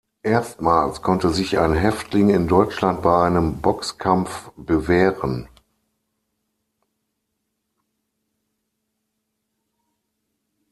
Erstmals konnte sich ein Häftling in Deutschland bei einem Boxkampf bewähren.